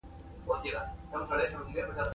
د دې هېوادونو د خلکو د نا رضایتۍ اصلي لامل بېوزلي ده.